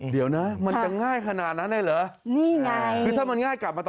เดี๋ยวนะมันจะง่ายขนาดนั้นเลยเหรอ